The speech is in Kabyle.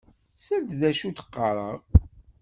Sel d acu i d-qqareɣ.